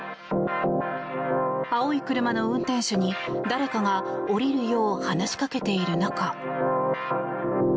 青い車の運転手に、誰かが降りるよう話しかけている中。